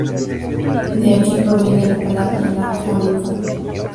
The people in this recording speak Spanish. De aquí proviene la palabra lacónico.